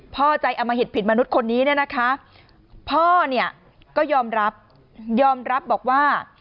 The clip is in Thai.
พ่อใจอมหิตผิดมนุษย์คนนี้เนี่ยนะคะพ่อเนี่ยก็ยอมรับยอมรับบอกว่า